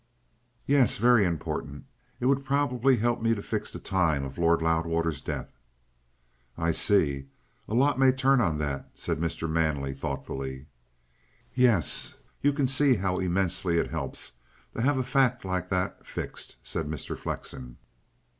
"Yes; very important. It would probably help me to fix the time of Lord Loudwater's death." "I see. A lot may turn on that," said Mr. Manley thoughtfully. "Yes. You can see how immensely it helps to have a fact like that fixed," said Mr. Flexen.